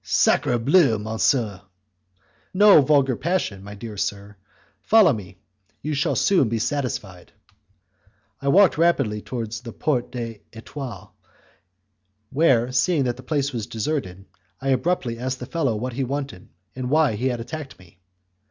"Sacre bleu, monsieur!" "No vulgar passion, my dear sir; follow me; you shall soon be satisfied." I walked rapidly towards the Porte de l'Etoile, where, seeing that the place was deserted, I abruptly asked the fellow what he wanted, and why he had attacked me.